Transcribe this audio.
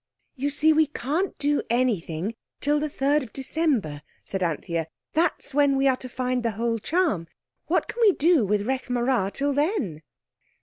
"You see we can't do anything till the 3rd of December," said Anthea, "that's when we are to find the whole charm. What can we do with Rekh marā till then?"